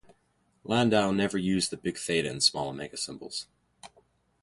Landau never used the Big Theta and small omega symbols.